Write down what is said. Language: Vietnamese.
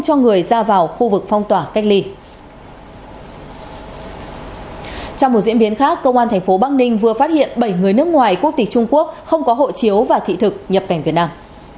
trong một diễn biến khác công an tp bắc ninh vừa phát hiện bảy người nước ngoài quốc tịch trung quốc không có hộ chiếu và thị thực nhập cảnh việt nam